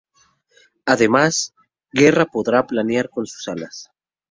Además, Guerra podrá planear con sus alas.